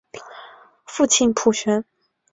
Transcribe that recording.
父亲浦璇。